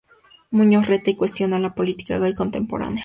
Muñoz reta y cuestiona la política gay contemporánea.